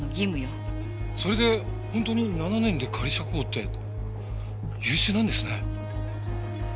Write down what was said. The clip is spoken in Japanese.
それで本当に７年で仮釈放って優秀なんですね。